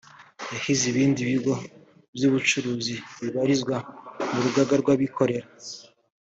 yahize ibindi bigo by’ubucuruzi bibarizwa mu rugaga rw’abikorera